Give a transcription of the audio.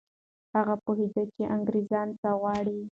هغه پوهېده چي انګریزان څه غواړي.